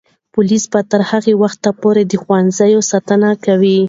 پولیس به تر هغه وخته پورې د ښوونځیو ساتنه کوي.